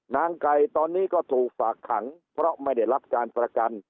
นางไก่ตอนนี้ก็ถูกฝากขังเพราะไม่ได้รับการประกัน